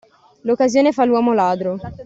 L'occasione fa l'uomo ladro.